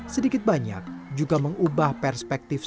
sedikit banyak juga mengubah perspektif